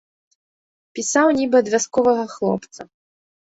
Пісаў нібы ад вясковага хлопца.